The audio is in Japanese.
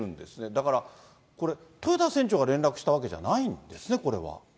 だから、これ、豊田船長が連絡したわけじゃないですね、これは。